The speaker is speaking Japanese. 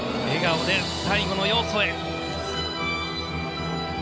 笑顔で最後の要素へ。